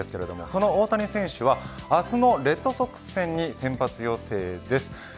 その大谷選手は明日のレッドソックス戦に先発予定です。